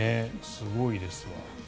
すごいですね。